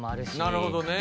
なるほどね。